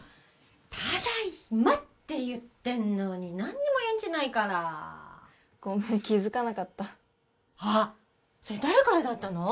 ただいまって言ってんのに何にも返事ないからごめん気づかなかったあっそれ誰からだったの？